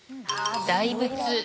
大仏。